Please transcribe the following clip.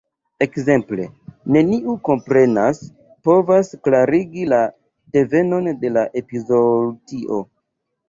Ekzemple: neniu komprenas, povas klarigi la devenon de la epizootio.